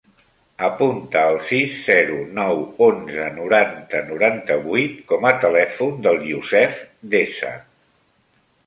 Apunta el sis, zero, nou, onze, noranta, noranta-vuit com a telèfon del Yousef Deza.